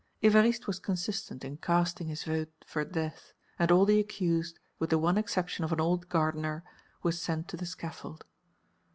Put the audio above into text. Évariste was consistent in casting his vote for death, and all the accused, with the one exception of an old gardener, were sent to the scaffold.